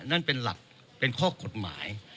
นั่นเป็นหลักเป็นข้อกฎหมาย